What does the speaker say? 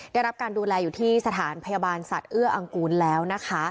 ได้รับการดูแลอยู่ที่สถานพยาบาลสัตว์เอื้ออังกูลแล้วนะคะ